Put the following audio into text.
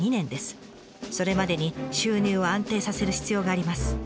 それまでに収入を安定させる必要があります。